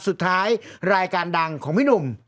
สุดท้ายรายการดังของพี่หนุ่ม